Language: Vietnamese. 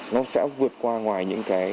nó sẽ vượt qua ngoài những cái